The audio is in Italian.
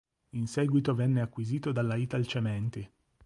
In seguito venne acquisito dalla Italcementi.